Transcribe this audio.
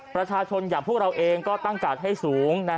ประชาชนอย่างพวกเราเองก็ตั้งการ์ดให้สูง